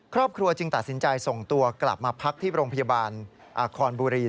ครอบครัวจึงตัดสินใจส่งตัวกลับมาพักที่โรงพยาบาลอาคอนบุรี